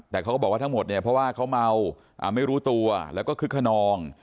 แต่เขาก็บอกว่าทั้งหมดเนี่ยเพราะว่าเขาเมาไม่รู้ตัวแล้วก็คึกขนอง